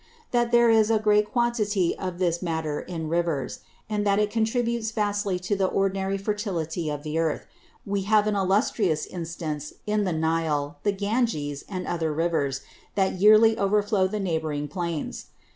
That there is a great Quantity of this Matter in Rivers; and that it contributes vastly to the ordinary Fertility of the Earth, we have an illustrious Instance in the Nile, the Ganges, and other Rivers that yearly overflow the neighbouring Plains.